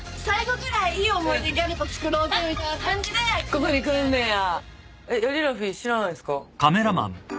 ここに来るんねや。